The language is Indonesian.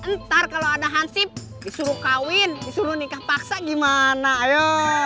ntar kalau ada hansip disuruh kawin disuruh nikah paksa gimana ayo